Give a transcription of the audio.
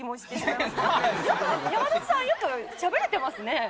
よく山里さんよくしゃべれてますね。